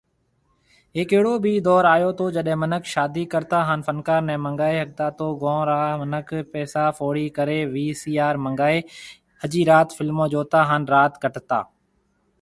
هيڪ اهڙو بِي دئور آيو تو جڏي منک شادي ڪرتا هان فنڪار ني منگائي ۿگتا تو گون را منک پئسا فوڙي ڪري وي سي آر منگائي ۿجي رات فلمون جوتا هان رات ڪٽتا۔